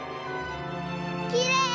きれい！